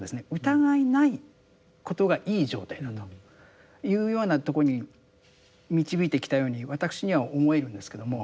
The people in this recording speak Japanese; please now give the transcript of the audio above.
疑いないことがいい状態だというようなとこに導いてきたように私には思えるんですけども。